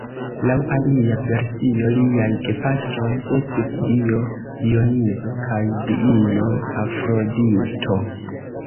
Laŭ alia versio liaj gepatroj estis dio Dionizo kaj diino Afrodito.